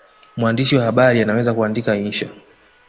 Mwandishi wa habari anaweza kuandika insha